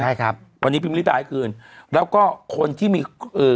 ใช่ครับวันนี้พิมพิริตาให้คืนแล้วก็คนที่มีเอ่อ